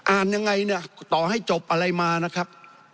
อ่านยังไงเนี่ยต่อให้จบอะไรมานะครับ